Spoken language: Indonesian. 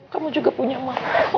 kamu juga punya mama